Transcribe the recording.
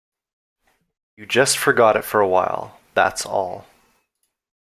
You just forgot it for a while, that's all.